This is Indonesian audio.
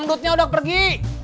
siang udah pergi